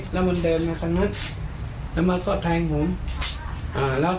ปล่อยแบบนี้แล้วมันแบบตรงนี้